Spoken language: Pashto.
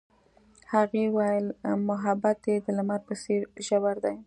هغې وویل محبت یې د لمر په څېر ژور دی.